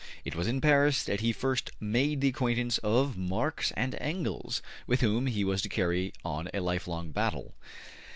It was in Paris that he first made the acquaintance of Marx and Engels, with whom he was to carry on a lifelong battle.